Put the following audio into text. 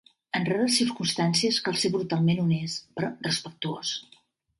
En rares circumstàncies cal ser brutalment honest, però respectuós.